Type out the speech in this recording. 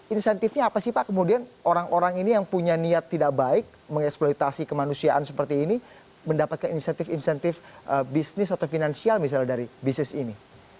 insentifnya apa sih pak kemudian orang orang ini yang punya niat tidak baik mengeksploitasi kemanusiaan seperti ini mendapatkan insentif insentif bisnis atau finansial misalnya dari bisnis ini